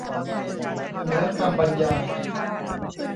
เหนือคำบรรยาย